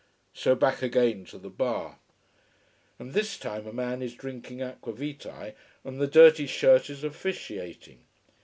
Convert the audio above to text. So back again to the bar. And this time a man is drinking aqua vitae, and the dirty shirt is officiating.